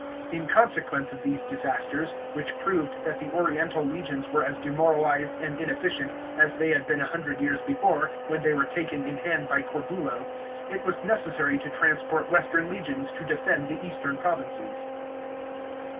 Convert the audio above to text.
In consequence of these disasters, which proved that the oriental legions were as demoralised and inefficient as they had been a hundred years before, when tht y were taken in hand by Corbulo, it was necessary to transport western legions to defend the eastern provinces.